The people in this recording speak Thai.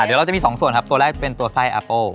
เดี๋ยวเราจะมีสองส่วนครับตัวแรกจะเป็นตัวไส้อาโป้